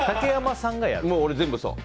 俺、全部そう。